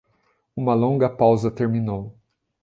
Uma longa pausa terminou.